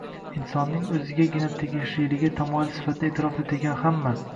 insonning o‘zigagina tegishliligi tamoyil sifatida e’tirof etilgan hamma